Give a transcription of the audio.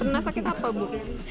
pernah sakit apa bu